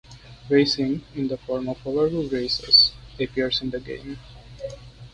Racing, in the form of hoverboard races, appears in the game.